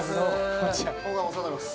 お世話になります。